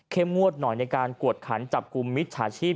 งวดหน่อยในการกวดขันจับกลุ่มมิจฉาชีพ